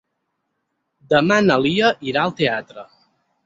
Demà na Lia irà al teatre.